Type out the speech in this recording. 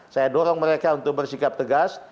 saya dorong mereka untuk bersikap tegas